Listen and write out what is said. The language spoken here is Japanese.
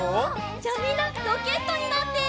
じゃみんなロケットになって！